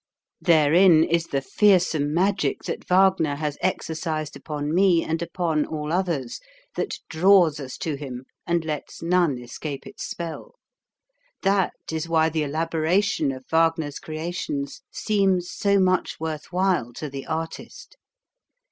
Therein is the fearsome magic that Wagner has exer cised upon me and upon all others, that draws us to him and lets none escape its spell. That is why the elaboration of Wagner's creations seems so much worth while to the artist.